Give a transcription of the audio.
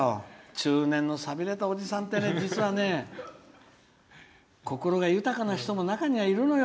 中年のさびれたおじさんってね実はね心が豊かな人も中にはいるのよ。